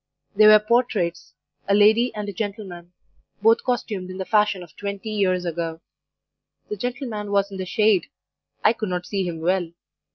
They were portraits a lady and a gentleman, both costumed in the fashion of twenty years ago. The gentleman was in the shade. I could not see him well.